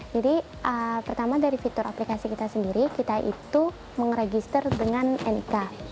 jadi pertama dari fitur aplikasi kita sendiri kita itu mengregister dengan nik